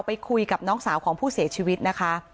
ไปคุยกับน้องสาวของผู้เสียชีวิตนะคะ